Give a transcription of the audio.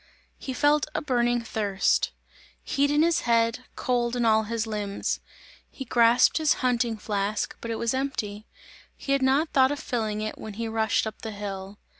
He felt a burning thirst; heat in his head, cold in all his limbs; he grasped his hunting flask, but it was empty; he had not thought of filling it when he rushed up the hill.